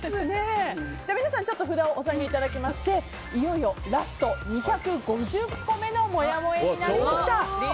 皆さん札をお下げいただいていよいよラスト２５０個目のもやもやになりました。